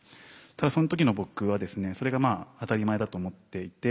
ただその時の僕はそれがまあ当たり前だと思っていて。